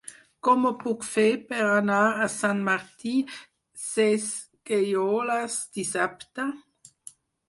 Com ho puc fer per anar a Sant Martí Sesgueioles dissabte?